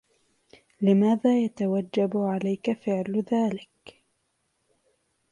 لماذا يتوجب عليك فعل ذلك؟